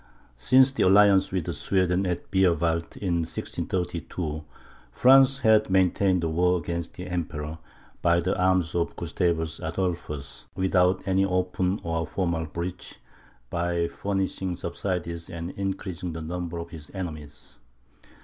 Since the alliance with Sweden, at Beerwald, in 1632, France had maintained the war against the Emperor, by the arms of Gustavus Adolphus, without any open or formal breach, by furnishing subsidies and increasing the number of his enemies.